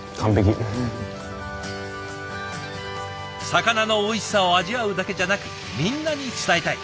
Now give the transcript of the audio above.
魚のおいしさを味わうだけじゃなくみんなに伝えたい。